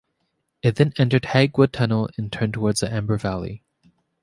It then entered Hag Wood Tunnel as turned towards the Amber Valley.